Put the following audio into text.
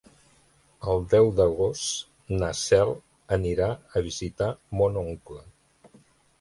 El deu d'agost na Cel anirà a visitar mon oncle.